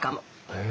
へえ。